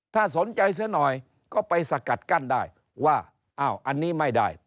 ถ้าสนใจเสียหน่อยก็ไปสกัดกั้นได้ว่าอ้าวอันนี้ไม่ได้